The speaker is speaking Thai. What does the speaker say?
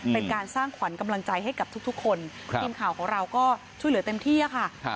เป็นการสร้างขวัญกำลังใจให้กับทุกคนทีมข่าวของเราก็ช่วยเหลือเต็มที่ค่ะ